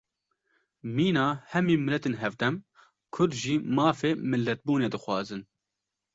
Mîna hemî miletên hevdem, Kurd jî mafê milletbûnê dixwazin